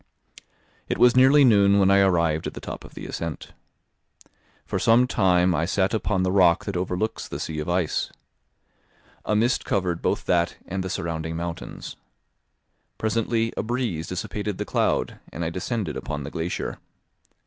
It was nearly noon when I arrived at the top of the ascent. For some time I sat upon the rock that overlooks the sea of ice. A mist covered both that and the surrounding mountains. Presently a breeze dissipated the cloud, and I descended upon the glacier.